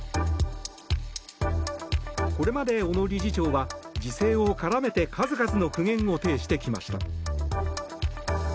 これまで、小野理事長は時勢を絡めて数々の苦言を呈してきました。